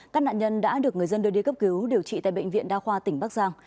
các nạn nhân đã được người dân đưa đi cấp cứu điều trị tại bệnh viện đa khoa tỉnh bắc giang